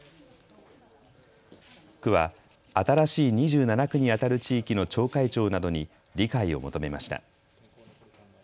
区は新しい２７区にあたる地域の町会長などに理解を求めました。